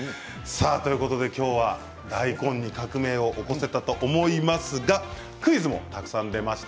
今日は大根に革命を起こせたと思いますがクイズもたくさん出ました。